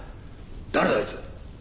誰だあいつ！